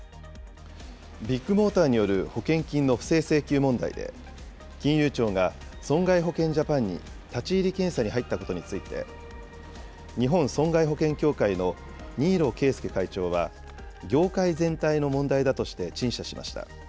ビッグモーターによる保険金の不正請求問題で、金融庁が損害保険ジャパンに立ち入り検査に入ったことについて、日本損害保険協会の新納啓介会長は業界全体の問題だとして陳謝しました。